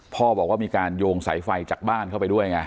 พ่อบอกว่ามีการโยงสายไฟจากบ้านเข้าไปด้วยไง